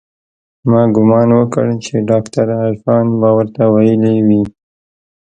ما ګومان وکړ چې ډاکتر عرفان به ورته ويلي وي.